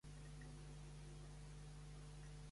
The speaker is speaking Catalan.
Mireya Masó i Mas és una fotògrafa nascuda a Barcelona.